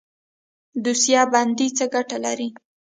دوسیه بندي څه ګټه لري؟